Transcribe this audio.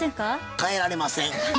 変えられません。